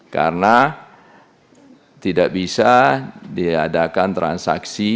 karena tidak bisa diadakan transaksi